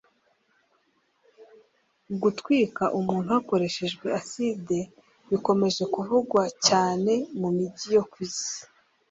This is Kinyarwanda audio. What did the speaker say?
Gutwika umuntu hakoreshejwe acide bikomeje kuvugwa cyane mu mijyi yo ku isi